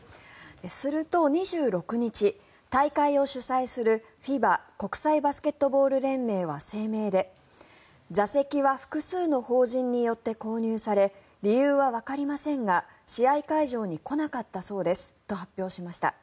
すると、２６日大会を主催するＦＩＢＡ・国際バスケットボール連盟は声明で座席は複数の法人によって購入され理由はわかりませんが試合会場に来なかったそうですと発表しました。